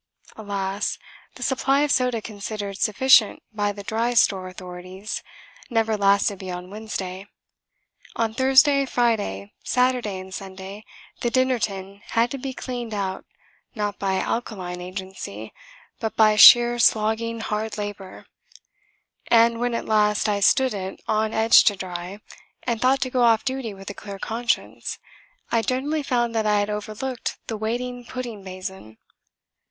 Alas, the supply of soda considered sufficient by the Dry Store authorities never lasted beyond Wednesday. On Thursday, Friday, Saturday and Sunday the dinner tin had to be cleaned out not by alkaline agency, but by sheer slogging hard labour. And when at last I stood it on edge to dry, and thought to go off duty with a clear conscience, I generally found that I had overlooked the waiting pudding basin.